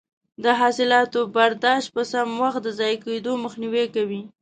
د حاصلاتو برداشت په سم وخت د ضایع کیدو مخنیوی کوي.